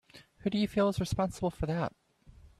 Who do you feel is responsible for that?